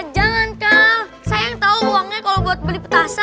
jangan kau saya tahu uangnya kalau buat beli petasan